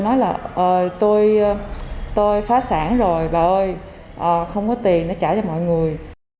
nói là ừ tôi phá sản rồi bà ơi không có tiền nó trả cho mọi người